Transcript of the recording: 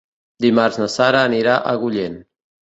Dimarts na Sara anirà a Agullent.